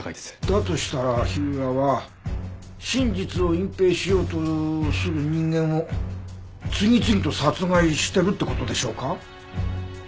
だとしたら火浦は真実を隠蔽しようとする人間を次々と殺害してるって事でしょうか？